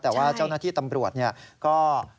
แต่ว่าเจ้าหน้าที่ตำรวจก็